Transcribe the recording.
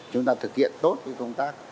chúng ta thực hiện tốt cái công tác